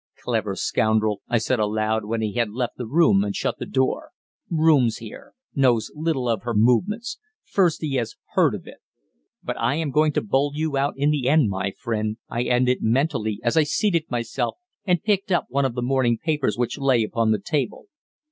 "Clever scoundrel!" I said aloud when he had left the room and shut the door. "Rooms here," "knows little of her movements," "first he has heard of it." But I am going to bowl you out in the end, my friend, I ended mentally as I seated myself and picked up one of the morning papers which lay upon the table.